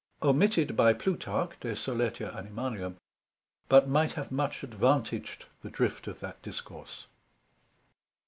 Omitted by Plutarch, De solertia Animalium, but might have much advantaged the drift of that Discourse.